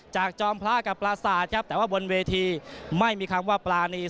จอมพระกับปราศาสตร์ครับแต่ว่าบนเวทีไม่มีคำว่าปรานี